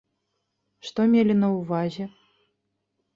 Што мелі на ўвазе?